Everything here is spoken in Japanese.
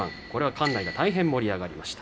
館内が大変盛り上がりました。